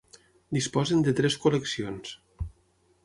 Disposen de tres col·leccions: